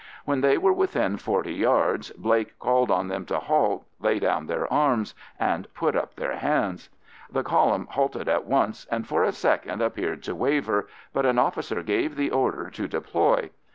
When they were within forty yards Blake called on them to halt, lay down their arms, and put up their hands. The column halted at once, and for a second appeared to waver, but an officer gave the order to deploy.